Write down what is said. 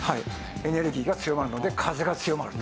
エネルギーが強まるので風が強まると。